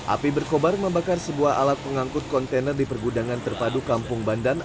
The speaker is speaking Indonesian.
api berkobar membakar sebuah alat pengangkut kontainer di pergudangan terpadu kampung bandan